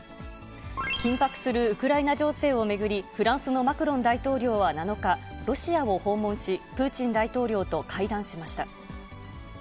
緊迫するウクライナ情勢を巡り、フランスのマクロン大統領は７日、ロシアを訪問し、プーチン大統領と会談しました。